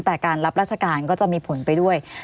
แต่การรับราชการก็จะมีผลไปด้วย